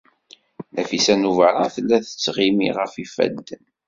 Nafisa n Ubeṛṛan tella tettɣimi ɣef yifadden.